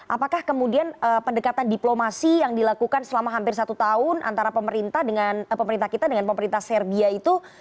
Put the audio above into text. apakah kemudian pendekatan diplomasi yang dilakukan selama hampir satu tahun antara pemerintah dengan pemerintah kita dengan pemerintah serbia itu